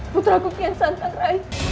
putraku kian santan rai